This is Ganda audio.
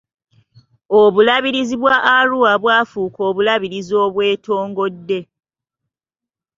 Obulabirizi bwa Arua bwafuuka obulabirizi obwetongodde.